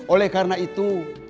oleh karena itu